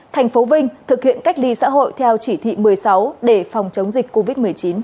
thành phố vinh thực hiện cách ly xã hội theo chỉ thị một mươi sáu để phòng chống dịch covid một mươi chín